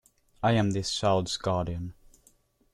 I am this child's guardian.